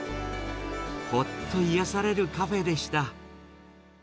ほっと癒やされるカフェでした。